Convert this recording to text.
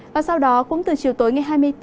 và sau đó cũng từ chiều tối ngày hai mươi bốn